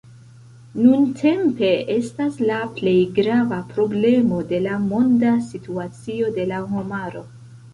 Nuntempe estas la plej grava problemo de la monda situacio de la homaro.